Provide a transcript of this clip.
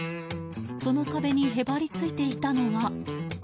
その壁にへばりついていたのは。